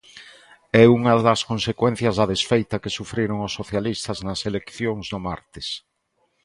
É unha das consecuencias da desfeita que sufriron os socialistas nas eleccións do martes.